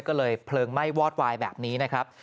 ก็เลยเพลิงไหม้วอดวายแบบนี้นะครับ